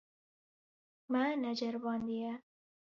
Me neceribandiye.